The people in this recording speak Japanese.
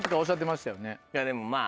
いやでもまぁ。